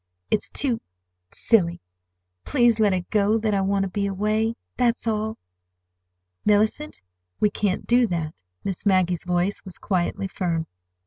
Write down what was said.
It's too—silly. Please let it go that I want to be away. That's all." "Mellicent, we can't do that." Miss Maggie's voice was quietly firm.